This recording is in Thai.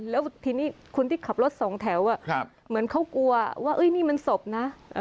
แล้วทีนี้คนที่ขับรถสองแถวเหมือนเขากลัวว่านี่มันศพนะ